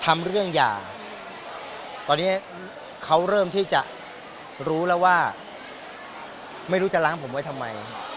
ทำเรื่องหย่าตอนนี้เขาเริ่มที่จะรู้แล้วว่าไม่รู้จะล้างผมไว้ทำไม